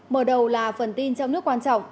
mở đầu là phần tin trong nước quan trọng